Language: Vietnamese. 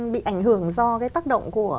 bị ảnh hưởng do cái tác động của